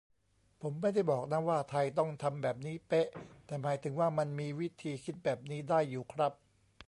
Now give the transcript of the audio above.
ผมไม่ได้บอกนะว่าไทยต้องทำแบบนี้เป๊ะ แต่หมายถึงว่า มันมีวิธีคิดแบบนี้ได้อยู่ครับ